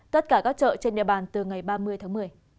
tất cả các chợ trên địa bàn từ ngày ba mươi tháng một mươi